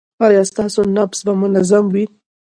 ایا ستاسو نبض به منظم وي؟